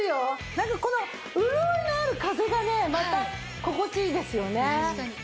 なんかこの潤いのある風がねまた心地良いですよね。